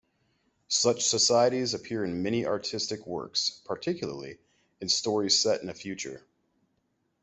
Such societies appear in many artistic works, particularly in stories set in a future.